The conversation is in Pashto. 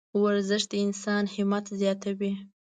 ورزش د انسان همت زیاتوي.